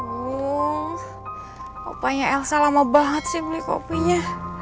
bu papanya elsa lama banget sih beli kopinya